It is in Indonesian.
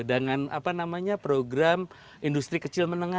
dengan program industri kecil menengah